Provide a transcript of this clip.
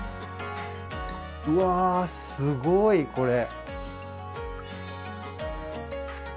うわすごいこれ。